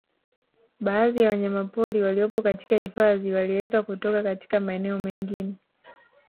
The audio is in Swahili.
Baadhi ya wanyamapori waliopo katika hifadhi waliletwa kutoka katika maeneo mengine